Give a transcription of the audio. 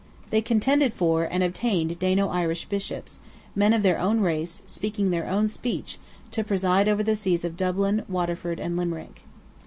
They contended for, and obtained Dano Irish Bishops, men of their own race, speaking their own speech, to preside over the sees of Dublin, Waterford, and Limerick.